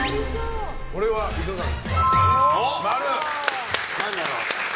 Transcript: これはいかがですか。